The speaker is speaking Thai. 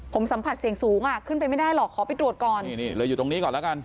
ผมสัมผัสเสี่ยงสูงอ่ะขึ้นไปไม่ได้หรอกขอไปตรวจก่อนนี่นี่เลยอยู่ตรงนี้ก่อนแล้วกัน